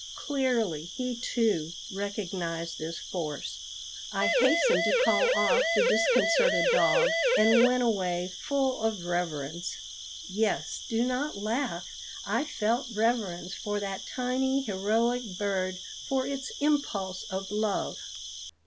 Clearly he, too, recognized this force. I hastened to call off the disconcerted dog, and went away full of reverence. Yes; do not laugh. I felt reverence for that tiny heroic bird for its impulse of love.